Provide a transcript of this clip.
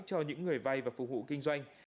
cho những người vay và phục vụ kinh doanh